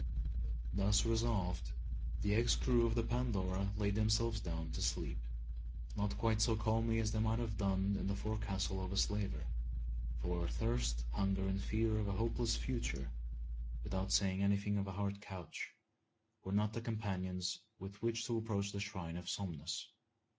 Thus resolved, the ex crew of the Pandora laid themselves down to sleep, not quite so calmly as they might have done in the forecastle of the slaver; for thirst, hunger, and fears for a hopeless future, without saying anything of a hard couch, were not the companions with which to approach the shrine of Somnus.